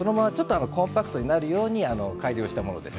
コンパクトになるように改良したものです。